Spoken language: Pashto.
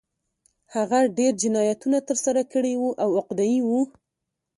هغه ډېر جنایتونه ترسره کړي وو او عقده اي و